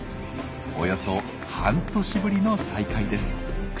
およそ半年ぶりの再会です。